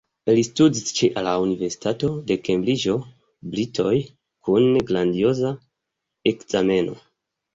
Li studis ĉe la universitato de Kembriĝo, Britujo kun grandioza ekzameno.